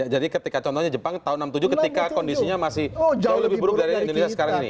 jadi contohnya jepang tahun seribu sembilan ratus enam puluh tujuh ketika kondisinya masih jauh lebih buruk dari indonesia sekarang ini